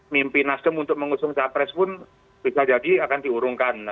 mimpi nasdem untuk mengusung capres pun bisa jadi akan diurungkan